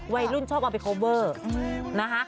วัยรุ่นชอบเอาไปโคเวอร์นะคะ